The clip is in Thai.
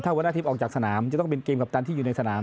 หัวหน้าทิพย์ออกจากสนามจะต้องเป็นเกมกัปตันที่อยู่ในสนาม